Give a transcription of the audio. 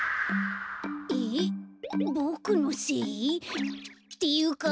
えっボクのせい？っていうか